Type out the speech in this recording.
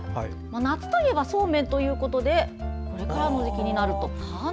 夏といえばそうめんということでこれからの時期になるとかなり。